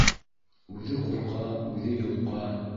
Үҙе ҡурҡа, үҙе йолҡа.